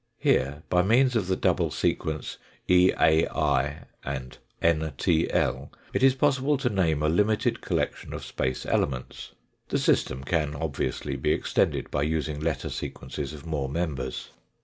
Here, by means of the double sequence, e,a,i and n,t,l, it is possible to name a limited collection of space elements. The system can obviously be extended by using letter sequences of more members.